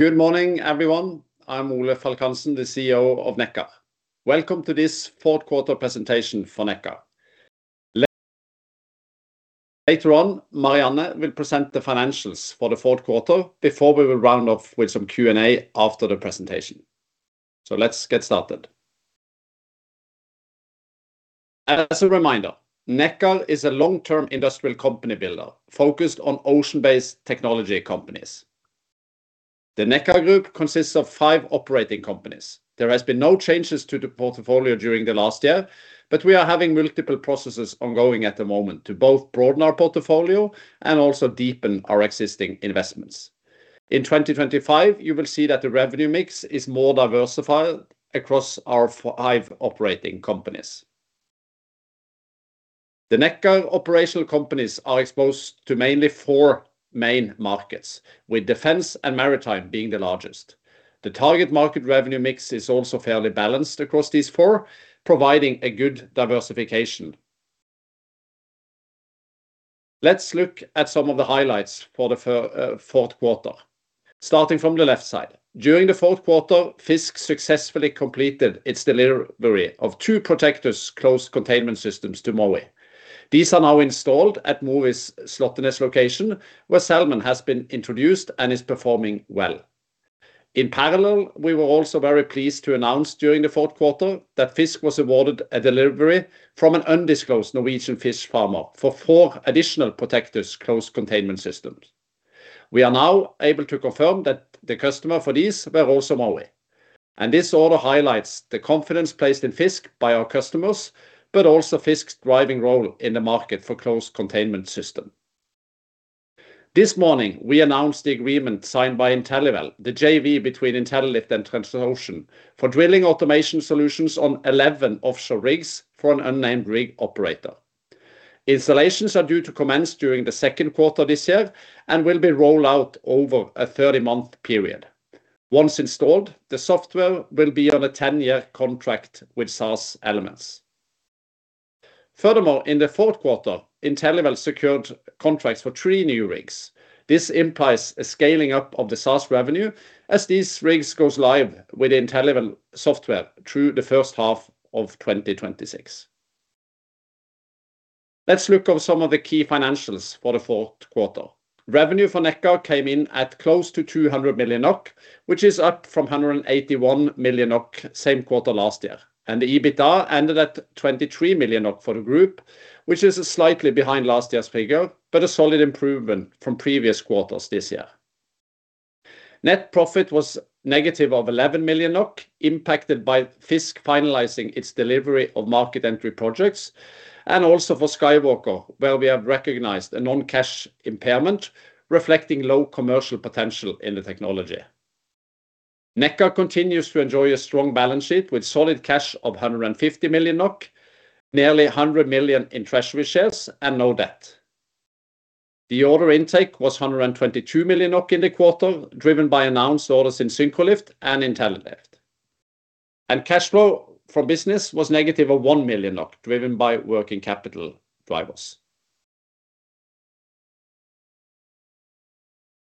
Good morning, everyone. I'm Ole Falk Hansen, the CEO of Nekkar. Welcome to this fourth quarter presentation for Nekkar. Later on, Marianne will present the financials for the fourth quarter before we will round off with some Q&A after the presentation. So let's get started. As a reminder, Nekkar is a long-term industrial company builder focused on ocean-based technology companies. The Nekkar group consists of five operating companies. There has been no changes to the portfolio during the last year, but we are having multiple processes ongoing at the moment to both broaden our portfolio and also deepen our existing investments. In 2025, you will see that the revenue mix is more diversified across our five operating companies. The Nekkar operational companies are exposed to mainly four main markets, with defense and maritime being the largest. The target market revenue mix is also fairly balanced across these four, providing a good diversification. Let's look at some of the highlights for the fourth quarter. Starting from the left side, during the fourth quarter, FiiZK successfully completed its delivery of two Protectus closed containment systems to Mowi. These are now installed at Mowi's Slåttenes location, where salmon has been introduced and is performing well. In parallel, we were also very pleased to announce during the fourth quarter that FiiZK was awarded a delivery from an undisclosed Norwegian fish farmer for four additional Protectus closed containment systems. We are now able to confirm that the customer for these were also Mowi, and this order highlights the confidence placed in FiiZK by our customers, but also FiiZK's driving role in the market for closed containment system. This morning, we announced the agreement signed by Inteliwell, the JV between Intellilift and Transocean, for drilling automation solutions on 11 offshore rigs for an unnamed rig operator. Installations are due to commence during the second quarter of this year and will be rolled out over a 30-month period. Once installed, the software will be on a 10-year contract with SaaS elements. Furthermore, in the fourth quarter, Inteliwell secured contracts for three new rigs. This implies a scaling up of the SaaS revenue as these rigs goes live with Inteliwell software through the first half of 2026. Let's look over some of the key financials for the fourth quarter. Revenue for Nekkar came in at close to 200 million NOK, which is up from 181 million NOK same quarter last year, and the EBITDA ended at 23 million NOK for the group, which is slightly behind last year's figure, but a solid improvement from previous quarters this year. Net profit was -11 million NOK, impacted by FiiZK finalizing its delivery of market entry projects, and also for SkyWalker, where we have recognized a non-cash impairment reflecting low commercial potential in the technology. Nekkar continues to enjoy a strong balance sheet with solid cash of 150 million NOK, nearly 100 million in treasury shares, and no debt. The order intake was 122 million NOK in the quarter, driven by announced orders in Syncrolift and Intellilift. Cash flow from business was negative of 1 million, driven by working capital drivers.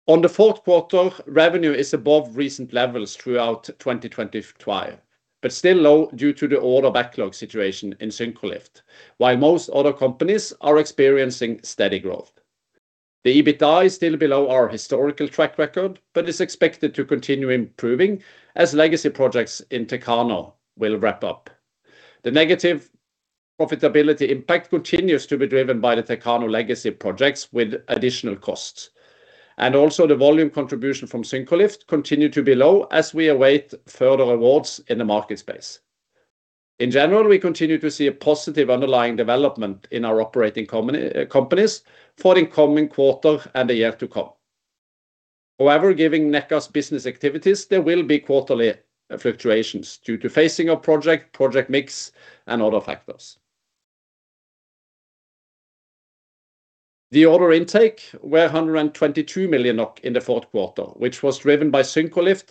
On the fourth quarter, revenue is above recent levels throughout 2025, but still low due to the order backlog situation in Syncrolift, while most other companies are experiencing steady growth. The EBITDA is still below our historical track record, but is expected to continue improving as legacy projects in Techano will wrap up. The negative profitability impact continues to be driven by the Techano legacy projects with additional costs, and also the volume contribution from Syncrolift continue to be low as we await further awards in the market space. In general, we continue to see a positive underlying development in our operating company, companies for the coming quarter and the year to come. However, giving Nekkar's business activities, there will be quarterly fluctuations due to phasing of project, project mix, and other factors. The order intake were 122 million NOK in the fourth quarter, which was driven by Syncrolift,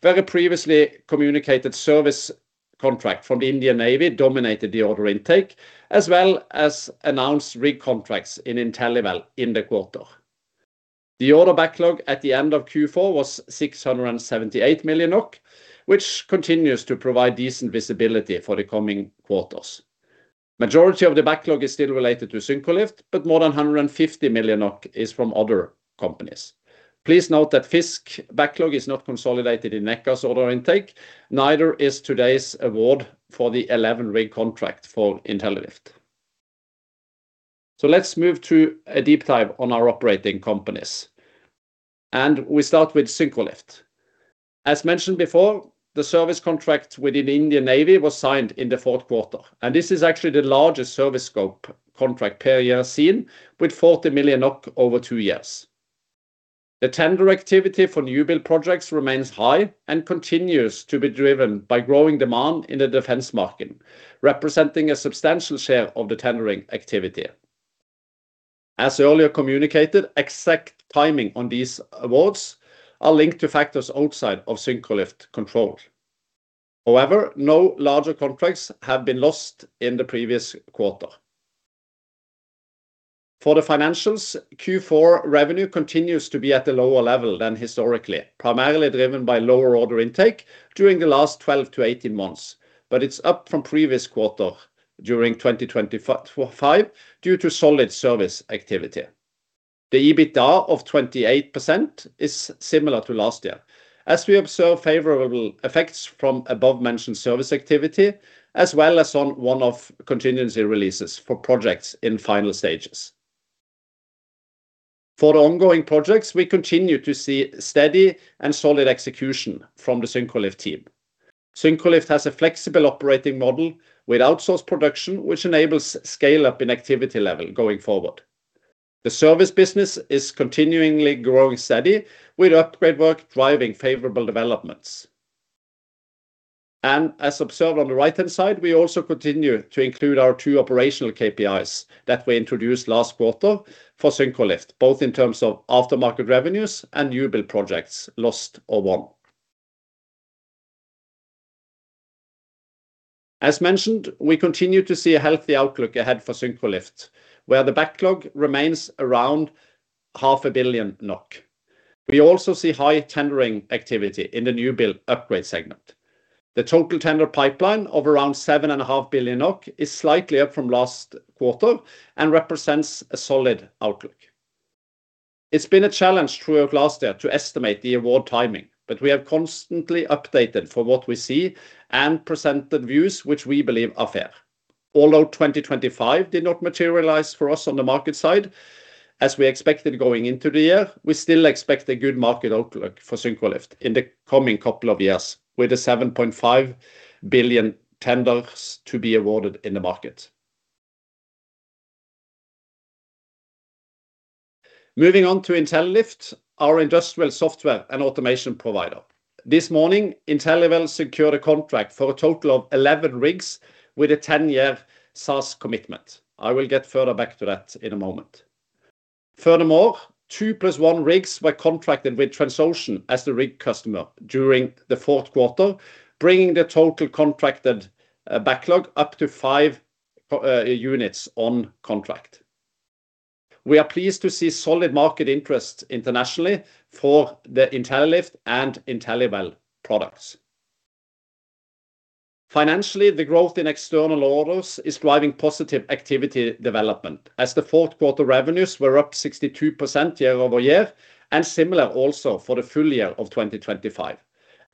where a previously communicated service contract from the Indian Navy dominated the order intake, as well as announced rig contracts in Inteliwell in the quarter. The order backlog at the end of Q4 was 678 million NOK, which continues to provide decent visibility for the coming quarters. Majority of the backlog is still related to Syncrolift, but more than 150 million is from other companies. Please note that FiiZK backlog is not consolidated in Nekkar's order intake, neither is today's award for the 11 rig contract for Intellilift. Let's move to a deep dive on our operating companies, and we start with Syncrolift. As mentioned before, the service contract with the Indian Navy was signed in the fourth quarter, and this is actually the largest service scope contract per year seen, with 40 million NOK over two years. The tender activity for new build projects remains high and continues to be driven by growing demand in the defense market, representing a substantial share of the tendering activity. As earlier communicated, exact timing on these awards are linked to factors outside of Syncrolift control. However, no larger contracts have been lost in the previous quarter. For the financials, Q4 revenue continues to be at a lower level than historically, primarily driven by lower order intake during the last 12-18 months, but it's up from previous quarter during 2025 due to solid service activity. The EBITDA of 28% is similar to last year, as we observe favorable effects from above mentioned service activity, as well as on one-off contingency releases for projects in final stages. For ongoing projects, we continue to see steady and solid execution from the Syncrolift team. Syncrolift has a flexible operating model with outsourced production, which enables scale-up in activity level going forward. The service business is continuingly growing steady, with upgrade work driving favorable developments. As observed on the right-hand side, we also continue to include our two operational KPIs that we introduced last quarter for Syncrolift, both in terms of aftermarket revenues and new build projects, lost or won. As mentioned, we continue to see a healthy outlook ahead for Syncrolift, where the backlog remains around 500 million NOK. We also see high tendering activity in the new build upgrade segment. The total tender pipeline of around 7.5 billion NOK is slightly up from last quarter and represents a solid outlook. It's been a challenge throughout last year to estimate the award timing, but we have constantly updated for what we see and presented views which we believe are fair. Although 2025 did not materialize for us on the market side as we expected going into the year, we still expect a good market outlook for Syncrolift in the coming couple of years, with 7.5 billion tenders to be awarded in the market. Moving on to Intellilift, our industrial software and automation provider. This morning, Inteliwell secured a contract for a total of 11 rigs with a 10-year SaaS commitment. I will get further back to that in a moment. Furthermore, 2 + 1 rigs were contracted with Transocean as the rig customer during the fourth quarter, bringing the total contracted backlog up to 5 units on contract. We are pleased to see solid market interest internationally for the Intellilift and Inteliwell products. Financially, the growth in external orders is driving positive activity development, as the fourth quarter revenues were up 62% year-over-year, and similar also for the full year of 2025,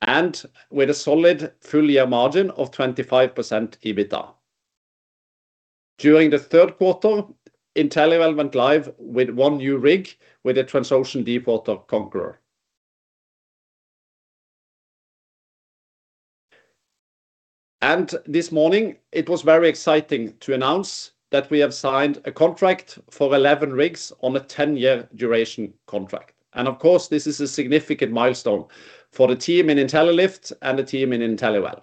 and with a solid full year margin of 25% EBITDA. During the third quarter, Inteliwell went live with one new rig with the Transocean Deepwater Conqueror. This morning, it was very exciting to announce that we have signed a contract for 11 rigs on a 10-year duration contract. Of course, this is a significant milestone for the team in Intellilift and the team in Inteliwell.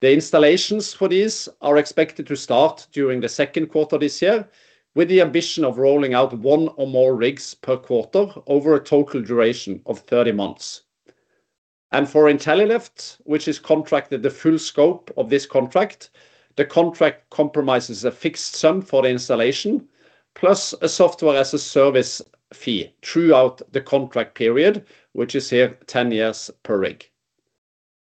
The installations for these are expected to start during the second quarter this year, with the ambition of rolling out one or more rigs per quarter over a total duration of 30 months. For Intellilift, which is contracted the full scope of this contract, the contract comprises a fixed sum for the installation, plus a software as a service fee throughout the contract period, which is here 10 years per rig.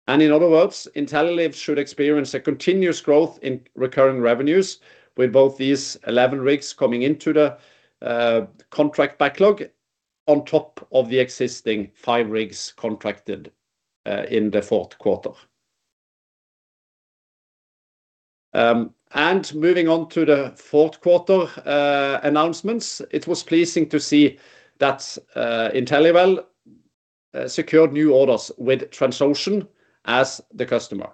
In other words, Intellilift should experience a continuous growth in recurring revenues with both these 11 rigs coming into the contract backlog on top of the existing five rigs contracted in the fourth quarter. Moving on to the fourth quarter announcements, it was pleasing to see that Inteliwell secured new orders with Transocean as the customer.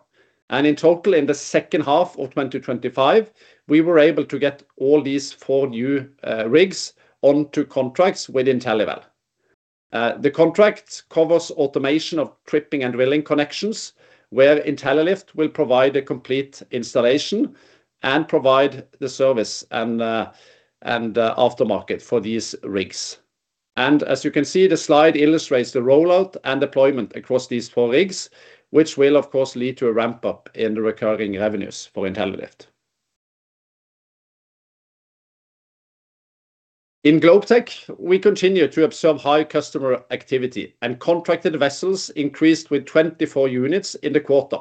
In total, in the second half of 2025, we were able to get all these four new rigs onto contracts with Inteliwell. The contract covers automation of tripping and drilling connections, where Intellilift will provide a complete installation and provide the service and aftermarket for these rigs. And as you can see, the slide illustrates the rollout and deployment across these four rigs, which will of course lead to a ramp-up in the recurring revenues for Intellilift. In Globetech, we continue to observe high customer activity, and contracted vessels increased with 24 units in the quarter,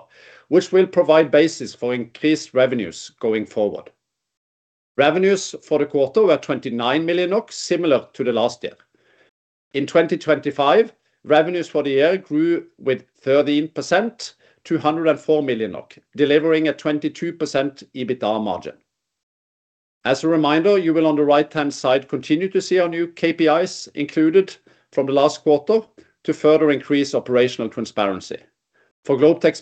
which will provide basis for increased revenues going forward. Revenues for the quarter were 29 million NOK, similar to the last year. In 2025, revenues for the year grew with 13% to 104 million NOK, delivering a 22% EBITDA margin. As a reminder, you will, on the right-hand side, continue to see our new KPIs included from the last quarter to further increase operational transparency. For Globetech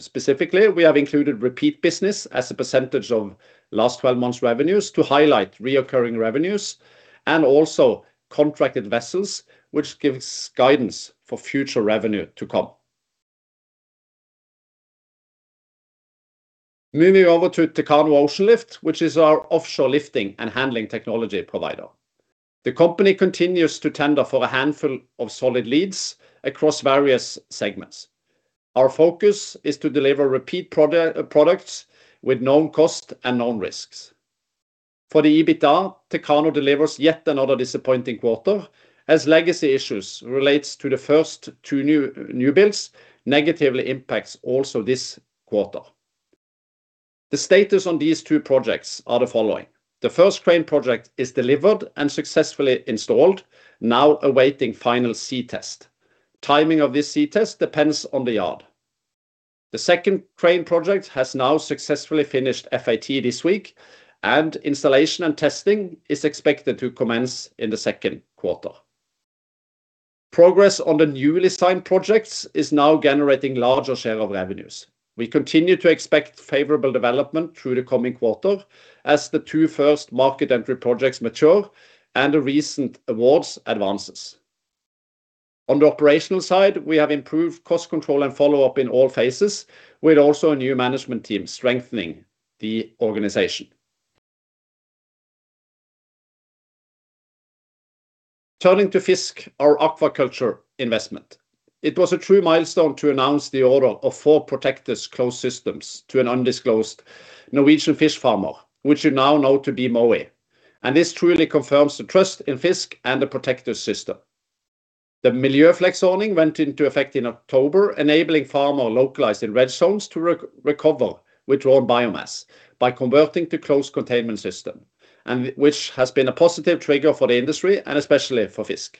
specifically, we have included repeat business as a percentage of last twelve months' revenues to highlight recurring revenues and also contracted vessels, which gives guidance for future revenue to come. Moving over to Techano Oceanlift, which is our offshore lifting and handling technology provider. The company continues to tender for a handful of solid leads across various segments. Our focus is to deliver repeat products with known cost and known risks. For the EBITDA, Techano delivers yet another disappointing quarter, as legacy issues relates to the first two new builds negatively impacts also this quarter. The status on these two projects are the following: The first crane project is delivered and successfully installed, now awaiting final sea test. Timing of this sea test depends on the yard. The second crane project has now successfully finished FAT this week, and installation and testing is expected to commence in the second quarter. Progress on the newly signed projects is now generating larger share of revenues. We continue to expect favorable development through the coming quarter, as the two first market entry projects mature and the recent awards advances. On the operational side, we have improved cost control and follow-up in all phases, with also a new management team strengthening the organization. Turning to FiiZK, our aquaculture investment. It was a true milestone to announce the order of four Protectus closed systems to an undisclosed Norwegian fish farmer, which we now know to be Mowi. This truly confirms the trust in FiiZK and the Protectus system. The Miljøfleks zoning went into effect in October, enabling farmers located in red zones to recover withdrawn biomass by converting to closed containment system, and which has been a positive trigger for the industry and especially for FiiZK.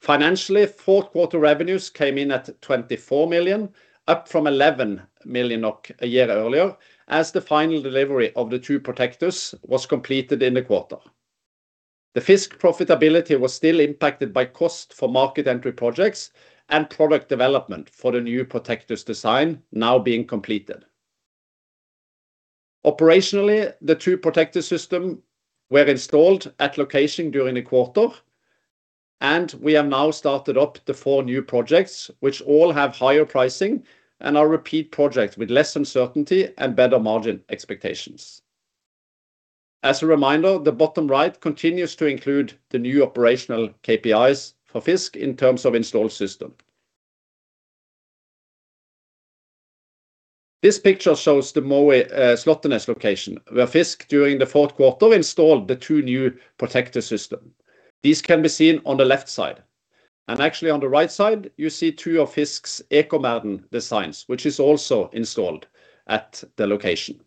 Financially, fourth quarter revenues came in at 24 million, up from 11 million a year earlier, as the final delivery of the two Protectus was completed in the quarter. The FiiZK profitability was still impacted by cost for market entry projects and product development for the new Protectus design now being completed. Operationally, the two Protectus system were installed at location during the quarter, and we have now started up the four new projects, which all have higher pricing and are repeat projects with less uncertainty and better margin expectations. As a reminder, the bottom right continues to include the new operational KPIs for FiiZK in terms of installed system. This picture shows the Mowi, Slåttenes location, where FiiZK, during the fourth quarter, installed the two new Protectus system. These can be seen on the left side, and actually, on the right side, you see two of FiiZK's Ecomerden designs, which is also installed at the location.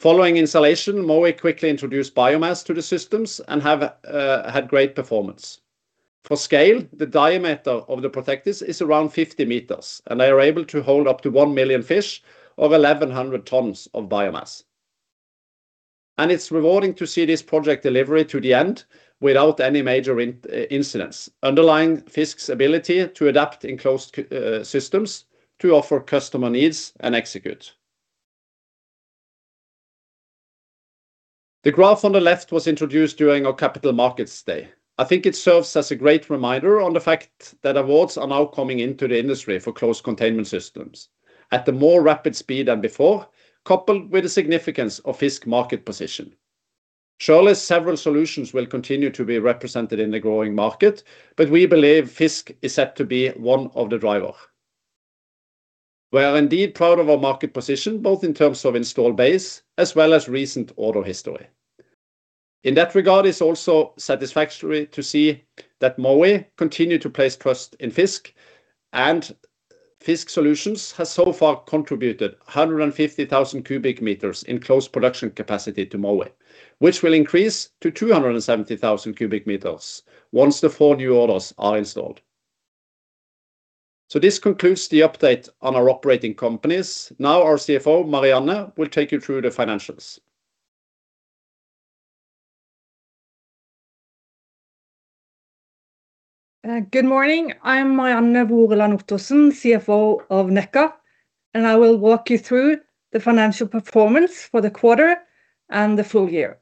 Following installation, Mowi quickly introduced biomass to the systems and have had great performance. For scale, the diameter of the Protectus is around 50 m, and they are able to hold up to 1 million fish of 1,100 tons of biomass. And it's rewarding to see this project delivery to the end without any major incidents, underlying FiiZK's ability to adapt in closed containment systems to offer customer needs and execute. The graph on the left was introduced during our capital markets day. I think it serves as a great reminder on the fact that awards are now coming into the industry for closed containment systems at a more rapid speed than before, coupled with the significance of FiiZK market position. Surely, several solutions will continue to be represented in the growing market, but we believe FiiZK is set to be one of the driver. We are indeed proud of our market position, both in terms of install base as well as recent order history. In that regard, it's also satisfactory to see that Mowi continue to place trust in FiiZK, and FiiZK Solutions has so far contributed 150,000 cubic meters in closed production capacity to Mowi, which will increase to 270,000 cubic meters once the four new orders are installed. So this concludes the update on our operating companies. Now, our CFO, Marianne, will take you through the financials. Good morning. I'm Marianne Voreland Ottosen, CFO of Nekkar, and I will walk you through the financial performance for the quarter and the full year.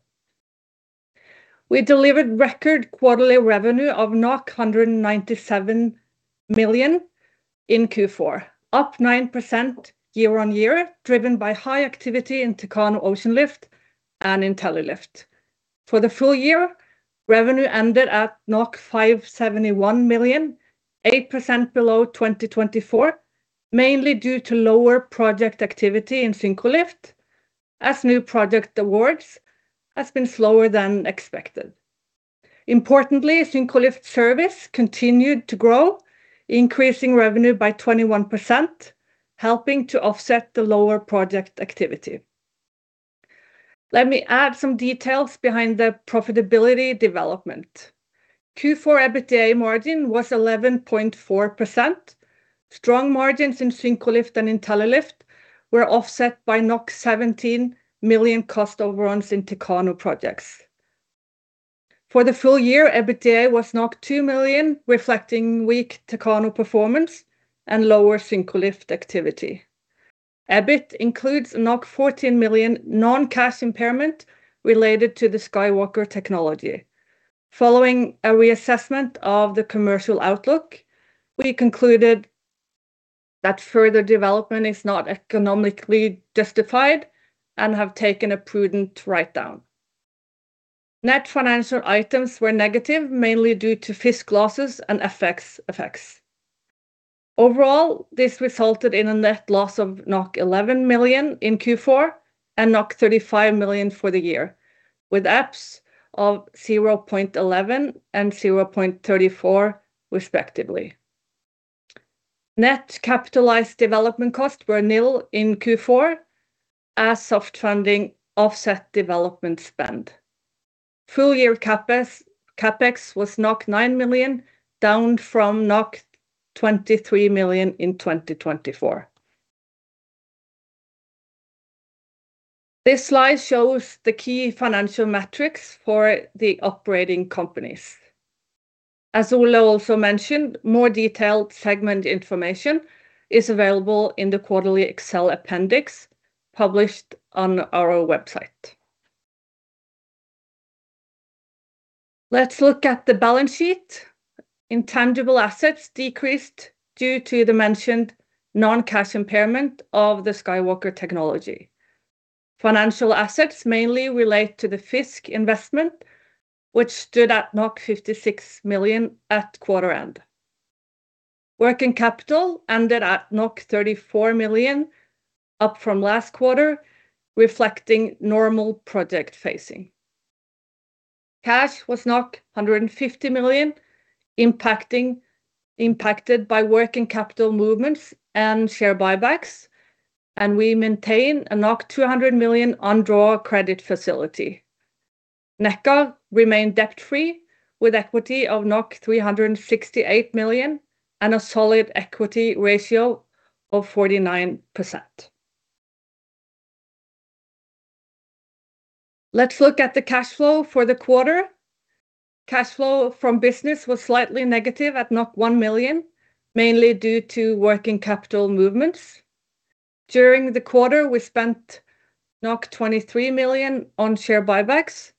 We delivered record quarterly revenue of 197 million in Q4, up 9% year-on-year, driven by high activity in Techano Oceanlift and Intellilift. For the full year, revenue ended at 571 million, 8% below 2024, mainly due to lower project activity in Syncrolift, as new project awards has been slower than expected. Importantly, Syncrolift Service continued to grow, increasing revenue by 21%, helping to offset the lower project activity. Let me add some details behind the profitability development. Q4 EBITDA margin was 11.4%. Strong margins in Syncrolift and Intellilift were offset by 17 million cost overruns in Techano projects. For the full year, EBITDA was 2 million, reflecting weak Techano performance and lower Syncrolift activity. EBIT includes 14 million non-cash impairment related to the SkyWalker technology. Following a reassessment of the commercial outlook, we concluded that further development is not economically justified and have taken a prudent write-down. Net financial items were negative, mainly due to FX losses and FX effects. Overall, this resulted in a net loss of 11 million in Q4 and 35 million for the year, with EPS of 0.11 and 0.34, respectively. Net capitalized development costs were nil in Q4, as soft funding offset development spend. Full year CapEx, CapEx was 9 million, down from 23 million in 2024. This slide shows the key financial metrics for the operating companies. As Ole also mentioned, more detailed segment information is available in the quarterly Excel appendix, published on our website. Let's look at the balance sheet. Intangible assets decreased due to the mentioned non-cash impairment of the SkyWalker technology. Financial assets mainly relate to the FiiZK investment, which stood at 56 million at quarter end. Working capital ended at 34 million, up from last quarter, reflecting normal project phasing. Cash was 150 million, impacted by working capital movements and share buybacks, and we maintain a 200 million undrawn credit facility. Nekkar remained debt-free, with equity of 368 million and a solid equity ratio of 49%. Let's look at the cash flow for the quarter. Cash flow from business was slightly negative at 1 million, mainly due to working capital movements. During the quarter, we spent 23 million on share buybacks,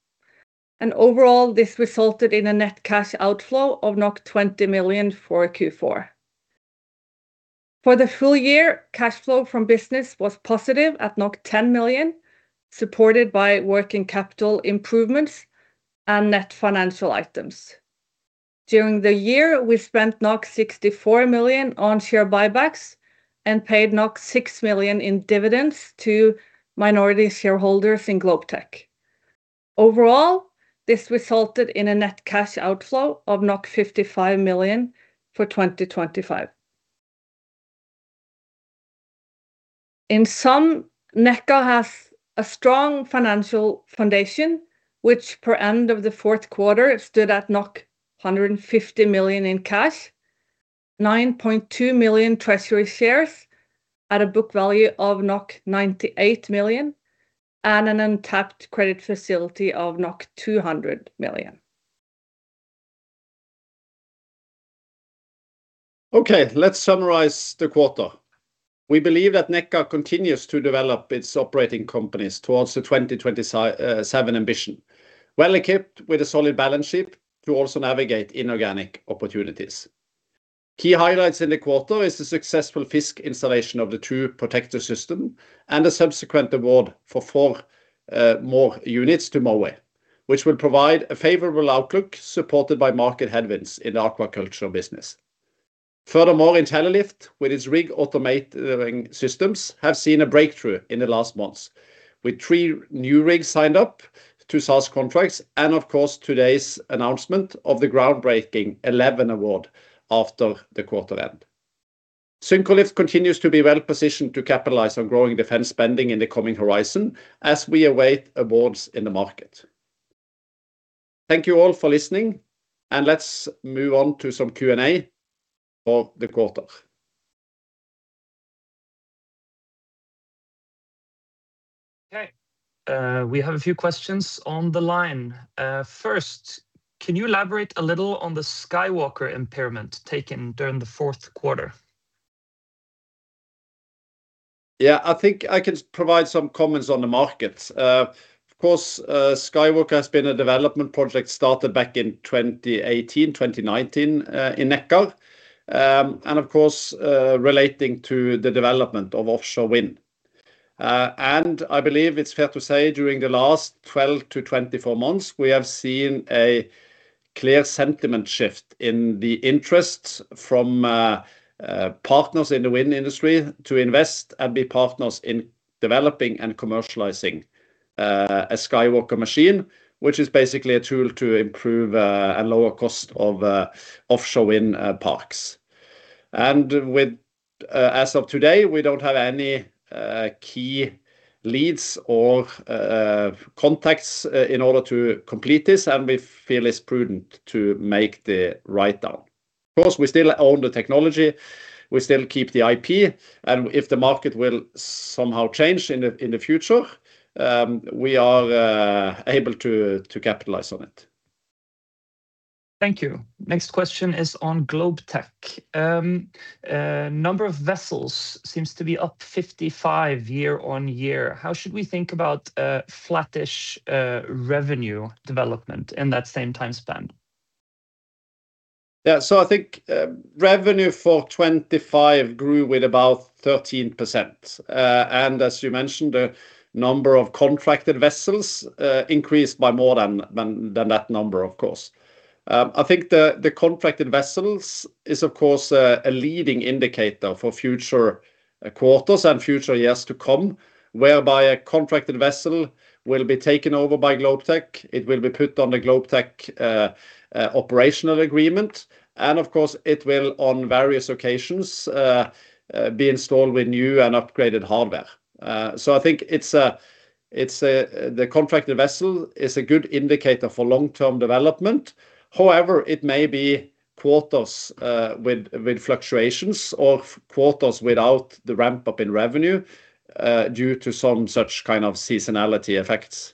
and overall, this resulted in a net cash outflow of 20 million for Q4. For the full year, cash flow from business was positive at 10 million, supported by working capital improvements and net financial items. During the year, we spent 64 million on share buybacks and paid 6 million in dividends to minority shareholders in Globetech. Overall, this resulted in a net cash outflow of 55 million for 2025. In sum, Nekkar has a strong financial foundation, which per end of the fourth quarter, stood at 150 million in cash, 9.2 million treasury shares at a book value of 98 million, and an untapped credit facility of 200 million. Okay, let's summarize the quarter. We believe that Nekkar continues to develop its operating companies towards the 2027 ambition, well-equipped with a solid balance sheet to also navigate inorganic opportunities. Key highlights in the quarter is the successful FiiZK installation of the two Protectus system and a subsequent award for four more units to Mowi, which will provide a favorable outlook, supported by market headwinds in the aquaculture business. Furthermore, Intellilift, with its rig automating systems, have seen a breakthrough in the last months, with three new rigs signed up to SaaS contracts and of course, today's announcement of the groundbreaking Inteliwell award after the quarter end. Syncrolift continues to be well positioned to capitalize on growing defense spending in the coming horizon, as we await awards in the market. Thank you all for listening, and let's move on to some Q&A for the quarter. Okay, we have a few questions on the line. First, can you elaborate a little on the SkyWalker impairment taken during the fourth quarter? Yeah, I think I can provide some comments on the market. Of course, SkyWalker has been a development project started back in 2018, 2019, in Nekkar. And of course, relating to the development of offshore wind. And I believe it's fair to say during the last 12-24 months, we have seen a clear sentiment shift in the interest from partners in the wind industry to invest and be partners in developing and commercializing a SkyWalker machine, which is basically a tool to improve and lower cost of offshore wind parks. And, as of today, we don't have any key leads or contacts in order to complete this, and we feel it's prudent to make the write-down. Of course, we still own the technology, we still keep the IP, and if the market will somehow change in the future, we are able to capitalize on it. Thank you. Next question is on Globetech. Number of vessels seems to be up 55 year-on-year. How should we think about flattish revenue development in that same time span? Yeah, so I think, revenue for 2025 grew with about 13%. And as you mentioned, the number of contracted vessels increased by more than that number, of course. I think the contracted vessels is, of course, a leading indicator for future quarters and future years to come, whereby a contracted vessel will be taken over by Globetech. It will be put on the Globetech operational agreement, and of course, it will, on various occasions, be installed with new and upgraded hardware. So I think it's the contracted vessel is a good indicator for long-term development. However, it may be quarters with fluctuations or quarters without the ramp-up in revenue due to some such kind of seasonality effects.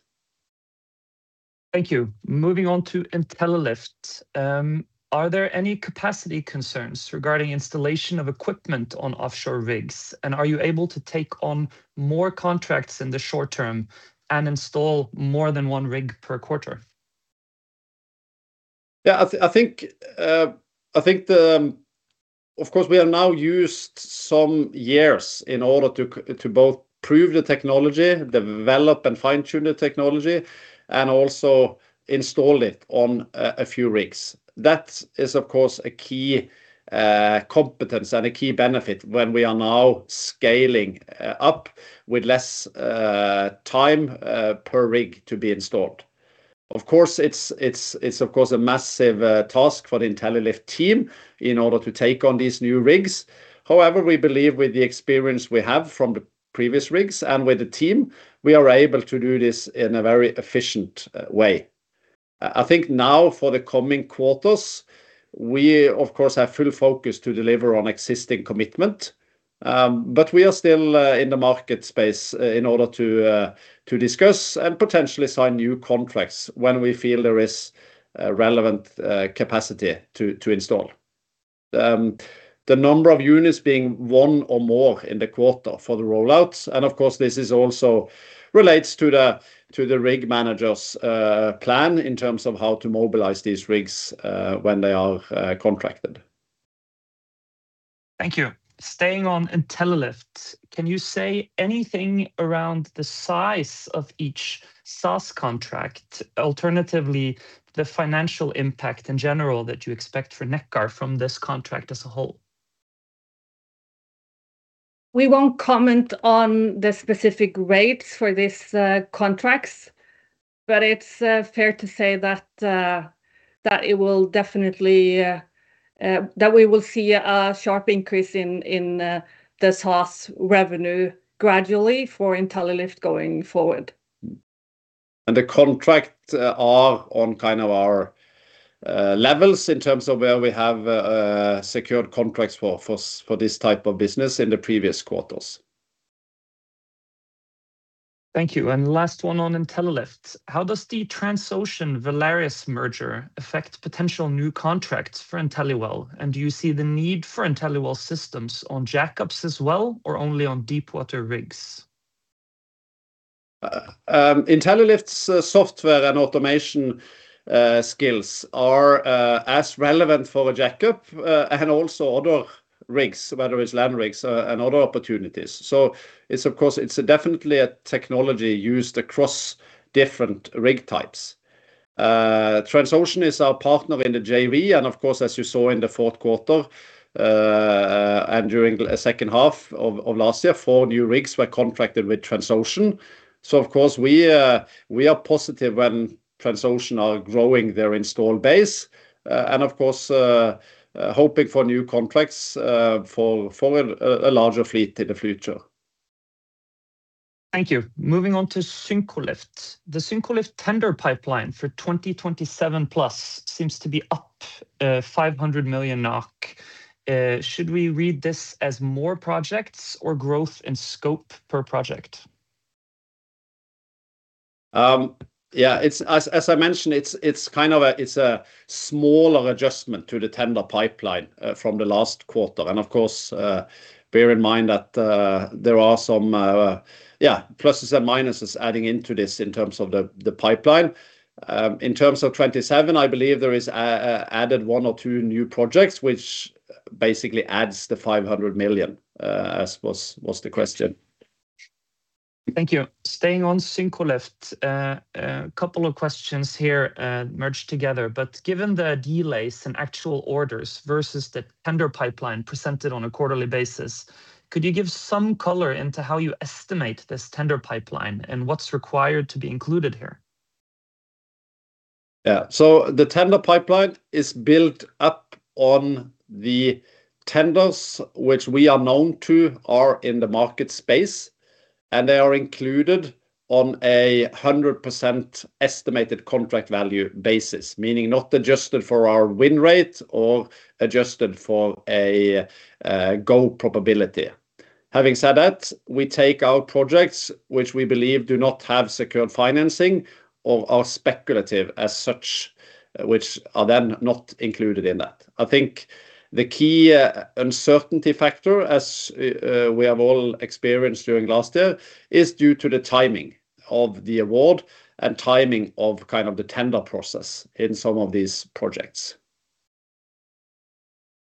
Thank you. Moving on to Intellilift. Are there any capacity concerns regarding installation of equipment on offshore rigs? And are you able to take on more contracts in the short term and install more than one rig per quarter? Yeah, I think the... Of course, we have now used some years in order to both prove the technology, develop and fine-tune the technology, and also install it on a few rigs. That is, of course, a key competence and a key benefit when we are now scaling up with less time per rig to be installed. Of course, it's of course a massive task for the Intellilift team in order to take on these new rigs. However, we believe with the experience we have from the previous rigs and with the team, we are able to do this in a very efficient way. I think now for the coming quarters, we, of course, have full focus to deliver on existing commitment. But we are still in the market space, in order to discuss and potentially sign new contracts when we feel there is relevant capacity to install. The number of units being one or more in the quarter for the rollouts, and of course, this is also relates to the rig manager's plan in terms of how to mobilize these rigs when they are contracted. Thank you. Staying on Intellilift, can you say anything around the size of each SaaS contract? Alternatively, the financial impact in general that you expect for Nekkar from this contract as a whole. We won't comment on the specific rates for these contracts, but it's fair to say that we will see a sharp increase in the SaaS revenue gradually for Intellilift going forward. The contract are on kind of our levels in terms of where we have secured contracts for this type of business in the previous quarters. Thank you, and last one on Intellilift. How does the Transocean Valaris merger affect potential new contracts for Inteliwell, and do you see the need for Inteliwell systems on jackups as well or only on deepwater rigs? Intellilift's software and automation skills are as relevant for a jackup and also other rigs, whether it's land rigs and other opportunities. So it's of course, it's definitely a technology used across different rig types. Transocean is our partner in the JV, and of course, as you saw in the fourth quarter and during the second half of last year, four new rigs were contracted with Transocean. So of course, we are positive when Transocean are growing their install base and of course hoping for new contracts for a larger fleet in the future. Thank you. Moving on to Syncrolift. The Syncrolift tender pipeline for 2027+ seems to be up 500 million NOK. Should we read this as more projects or growth in scope per project? Yeah, it's as I mentioned, it's a smaller adjustment to the tender pipeline from the last quarter. And of course, bear in mind that there are some yeah, pluses and minuses adding into this in terms of the pipeline. In terms of 2027, I believe there is a added one or two new projects, which basically adds the 500 million, as was the question. Thank you. Staying on Syncrolift, a couple of questions here, merged together, but given the delays in actual orders versus the tender pipeline presented on a quarterly basis, could you give some color into how you estimate this tender pipeline and what's required to be included here? Yeah. So the tender pipeline is built up on the tenders, which we are known to are in the market space, and they are included on a 100% estimated contract value basis, meaning not adjusted for our win rate or adjusted for a go probability. Having said that, we take our projects, which we believe do not have secured financing or are speculative as such, which are then not included in that. I think the key uncertainty factor, as we have all experienced during last year, is due to the timing of the award and timing of kind of the tender process in some of these projects.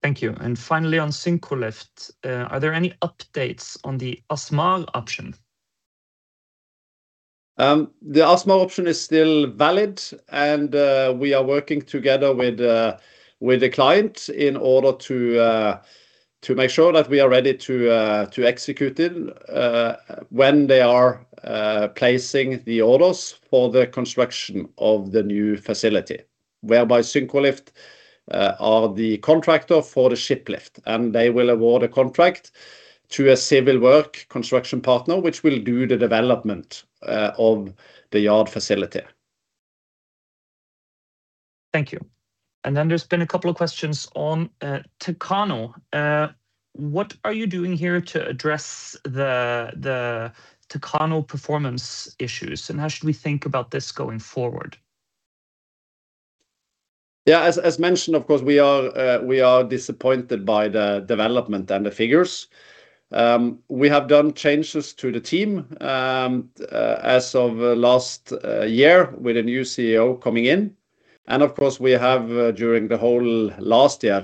Thank you. And finally, on Syncrolift, are there any updates on the ASMAR option? The ASMAR option is still valid, and we are working together with the client in order to make sure that we are ready to execute it when they are placing the orders for the construction of the new facility, whereby Syncrolift are the contractor for the shiplift, and they will award a contract to a civil work construction partner, which will do the development of the yard facility. Thank you. And then there's been a couple of questions on Techano. What are you doing here to address the Techano performance issues, and how should we think about this going forward? Yeah, as mentioned, of course, we are disappointed by the development and the figures. We have done changes to the team as of last year with a new CEO coming in, and of course, we have during the whole last year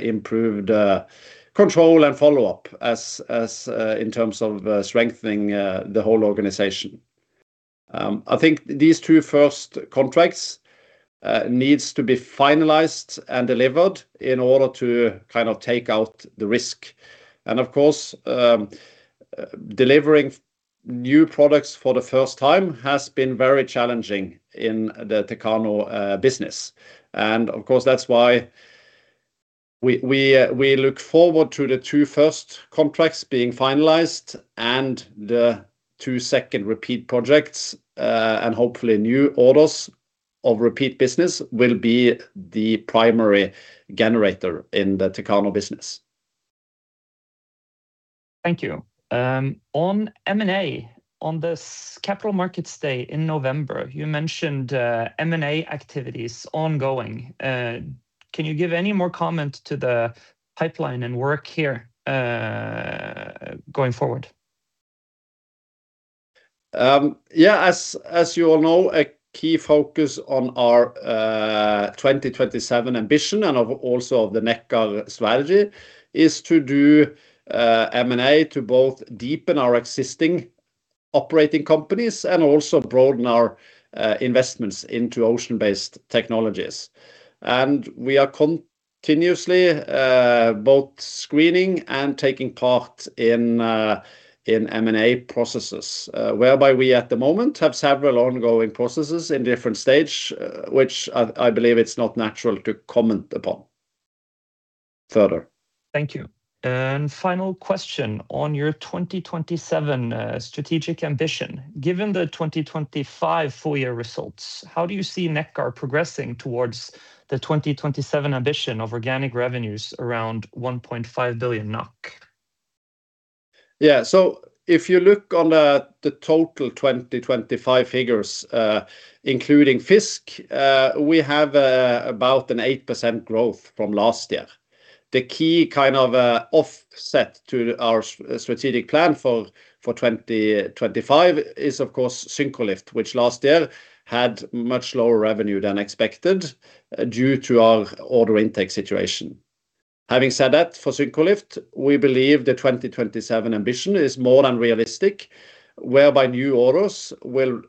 improved control and follow-up in terms of strengthening the whole organization. I think these two first contracts needs to be finalized and delivered in order to kind of take out the risk. And of course, delivering new products for the first time has been very challenging in the Techano business. Of course, that's why we look forward to the two first contracts being finalized and the two second repeat projects, and hopefully, new orders of repeat business will be the primary generator in the Techano business. Thank you. On M&A, on this Capital Markets Day in November, you mentioned M&A activities ongoing. Can you give any more comment to the pipeline and work here going forward? Yeah, as, as you all know, a key focus on our 2027 ambition and of also of the Nekkar strategy is to do M&A to both deepen our existing operating companies and also broaden our investments into ocean-based technologies. We are continuously both screening and taking part in in M&A processes, whereby we, at the moment, have several ongoing processes in different stage, which I, I believe it's not natural to comment upon further. Thank you. Final question on your 2027 strategic ambition. Given the 2025 full year results, how do you see Nekkar progressing towards the 2027 ambition of organic revenues around 1.5 billion NOK? Yeah. So if you look on the total 2025 figures, about an 8% growth from last year. The key kind of offset to our strategic plan for 2025 is, of course, Syncrolift, which last year had much lower revenue than expected due to our order intake situation. Having said that, for Syncrolift, we believe the 2027 ambition is more than realistic, whereby new orders will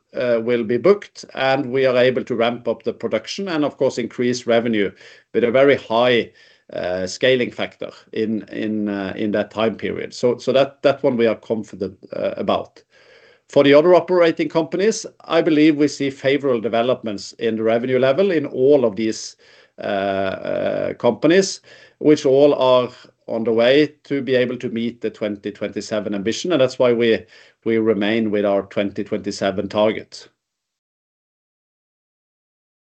be booked, and we are able to ramp up the production and of course, increase revenue with a very high scaling factor in that time period. So that one we are confident about. For the other operating companies, I believe we see favorable developments in the revenue level in all of these companies, which all are on the way to be able to meet the 2027 ambition, and that's why we remain with our 2027 target.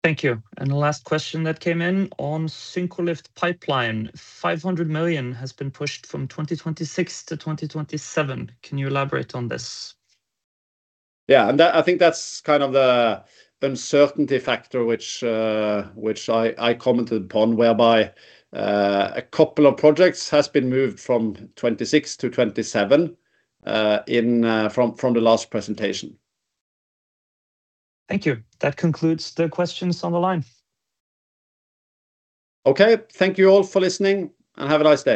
Thank you. The last question that came in on Syncrolift pipeline, 500 million has been pushed from 2026 to 2027. Can you elaborate on this? Yeah, and that, I think that's kind of the uncertainty factor, which I commented upon, whereby a couple of projects has been moved from 2026 to 2027 from the last presentation. Thank you. That concludes the questions on the line. Okay. Thank you all for listening, and have a nice day.